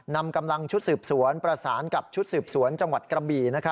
นำกำลังชุดสืบสวนประสานกับชุดสืบสวนจังหวัดกระบี่